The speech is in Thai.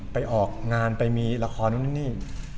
ไปออกงานไปมีละครนู่นนี่